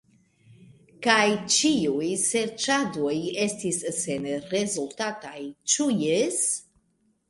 Kaj ĉiuj serĉadoj estis senrezultataj; ĉu jes?